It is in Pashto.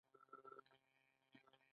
دا کنټرول په دوامداره توګه ترسره کیږي.